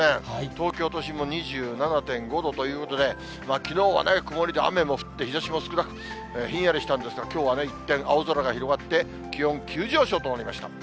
東京都心も２７．５度ということで、きのうはね、曇りで雨も降って日ざしも少なく、ひんやりしたんですが、きょうは一転、青空が広がって、気温急上昇となりました。